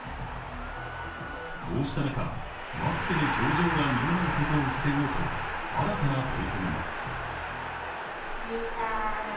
こうしたなか、マスクで表情が見えないことを防ごうと、新たな取り組みも。